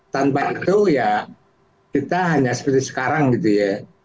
tanpa itu ya kita hanya seperti sekarang gitu ya